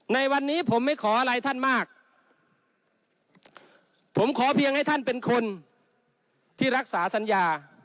ในวันนี้ผมไม่ขออะไรท่านมากผมขอเพียงให้ท่านเป็นคนที่รักษาสัญญา